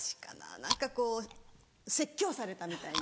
何かこう説教されたみたいな。